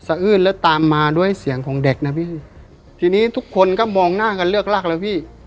อื้นแล้วตามมาด้วยเสียงของเด็กนะพี่ทีนี้ทุกคนก็มองหน้ากันเลือกลากแล้วพี่